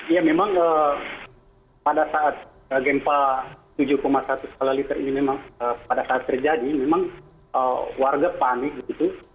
ya memang pada saat gempa tujuh satu skala liter ini memang pada saat terjadi memang warga panik begitu